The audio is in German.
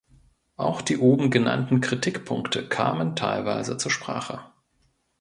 Auch die oben genannten Kritikpunkte kamen teilweise zur Sprache.